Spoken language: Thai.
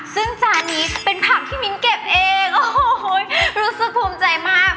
ซึ่งจานนี้เป็นผักที่มิ้นเก็บเองโอ้โหรู้สึกภูมิใจมาก